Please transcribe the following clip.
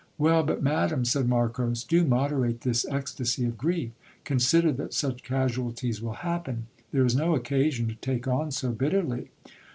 Well, but madam ! said Marcos, do moderate this ecstacy of grief; consider that such casualties will happen, there is no occasion to take on so b tterly.